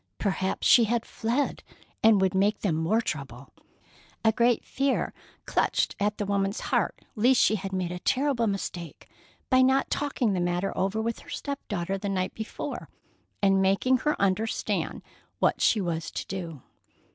Perhaps she had fled, and would make them more trouble. A great fear clutched at the woman's heart lest she had made a terrible mistake by not talking the matter over with her step daughter the night before, and making her understand what she was to do.